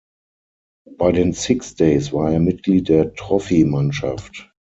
Bei den Six Days war er Mitglied der Trophy-Mannschaft.